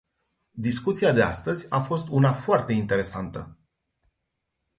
Discuția de astăzi a fost una foarte interesantă.